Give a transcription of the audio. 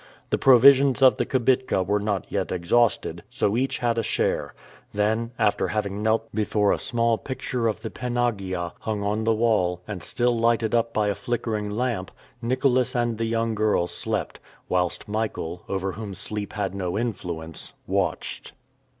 The provisions of the kibitka were not yet exhausted, so each had a share. Then, after having knelt before a small picture of the Panaghia, hung on the wall, and still lighted up by a flickering lamp, Nicholas and the young girl slept, whilst Michael, over whom sleep had no influence, watched.